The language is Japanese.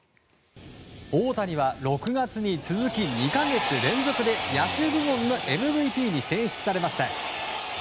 大谷は６月に続き、２か月連続で野手部門のＭＶＰに選出されました。